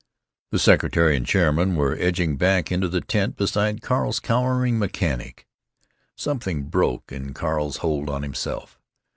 The secretary and chairman were edging back into the tent, beside Carl's cowering mechanic. Something broke in Carl's hold on himself.